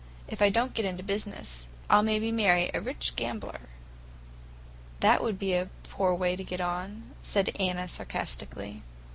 If I don't get into business, I'll maybe marry a rich gambler." "That would be a poor way to get on," said Anna sarcastically.